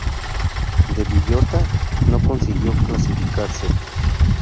De Villota no consiguió clasificarse.